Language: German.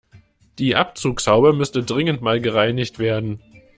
Die Abzugshaube müsste dringend mal gereinigt werden.